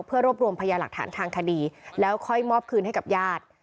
เพื่อรวบรวมพยาหลักฐานทางคดีแล้วค่อยมอบคืนให้กับญาติ